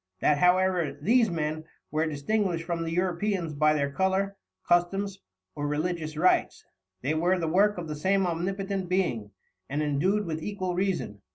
That however, these Men, were distinguished from the Europeans by their Colour, Customs, or religious Rites, they were the Work of the same omnipotent Being, and endued with equal Reason.